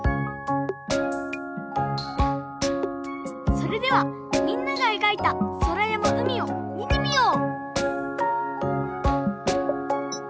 それではみんながえがいたそらやまうみをみてみよう！